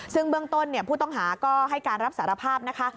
ซึ่งเบื้องต้นผู้ต้องหาก็ให้การรับสารภาพนะคะ